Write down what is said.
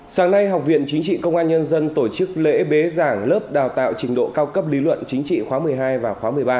sáng nay học viện chính trị công an nhân dân tổ chức lễ bế giảng lớp đào tạo trình độ cao cấp lý luận chính trị khóa một mươi hai và khóa một mươi ba